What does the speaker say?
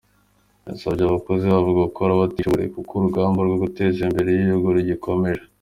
Yasabye abakozi nabo gukora batikoresheje kuko urugamba rwo guteza imbere igihugu rugikomeje.